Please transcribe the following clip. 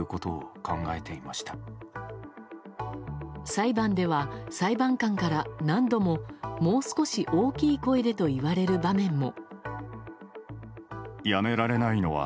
裁判では、裁判官から何度ももう少し大きい声でと言われる場面も。